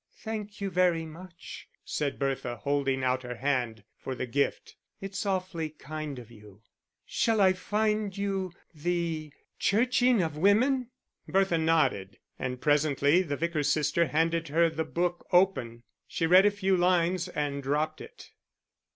"Thank you very much," said Bertha, holding out her hand for the gift. "It's awfully kind of you." "Shall I find you the Churching of Women?" Bertha nodded, and presently the Vicar's sister handed her the book, open. She read a few lines and dropped it.